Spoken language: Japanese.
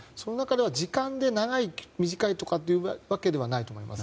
時間で長い短いというわけではないと思います。